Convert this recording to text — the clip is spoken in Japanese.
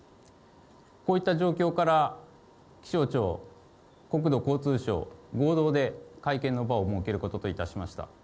こういった状況から、気象庁、国土交通省、合同で会見の場を設けることといたしました。